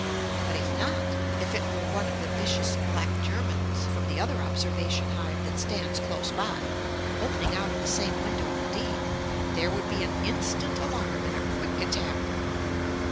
But if not, if it were one of the vicious black Germans from the other observation hive that stands close by, opening out of the same window indeed, there would be an instant alarm and a quick attack.